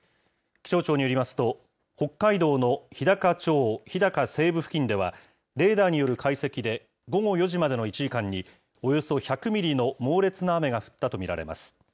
気象庁によりますと、北海道の日高町日高西部付近では、レーダーによる解析で、午後４時までの１時間に、およそ１００ミリの猛烈な雨が降ったと見られます。